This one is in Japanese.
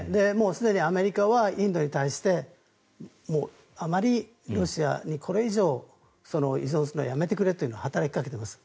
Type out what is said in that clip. すでにアメリカはインドに対してあまりロシアにこれ以上、依存するのはやめてくれと働きかけています。